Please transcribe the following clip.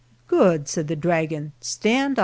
" Good," said the dragon. " Stand up.